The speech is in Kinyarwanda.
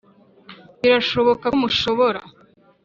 birashoboka ko mushobora